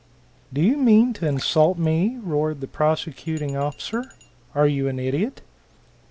"Do you mean to insult me?" roared the prosecuting officer. "Are you an idiot?"